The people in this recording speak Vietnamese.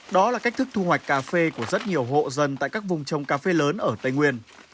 đó là cách thức thu hoạch cà phê của rất nhiều hộ dân tại các vùng trồng cà phê lớn ở tây nguyên